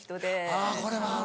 あぁこれはある。